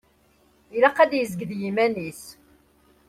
Ilaq ad d-yezg d yiman-is.